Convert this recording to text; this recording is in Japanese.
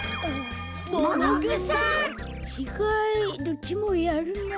どっちもやるな。